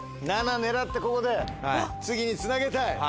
７狙ってここで次につなげたい。